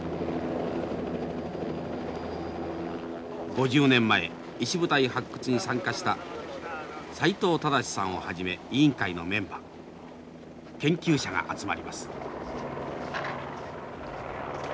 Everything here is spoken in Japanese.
５０年前石舞台発掘に参加した斎藤忠さんをはじめ委員会のメンバー研究者が集まります。